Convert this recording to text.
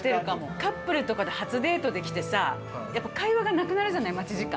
カップルとかで初デートで来てさ、やっぱ会話がなくなるじゃない、待ち時間。